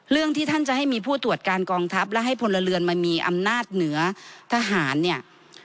เรื่องที่ท่านจะให้มีผู้ตรวจการกองทัพและให้พลเรือนมามีอำนาจเหนือทหารเนี่ย